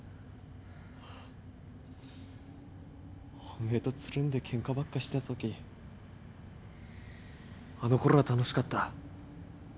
おめえとつるんでケンカばっかしてたときあのころは楽しかった。